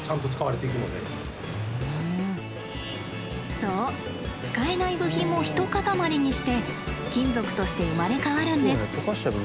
そう使えない部品も一塊にして金属として生まれ変わるんです。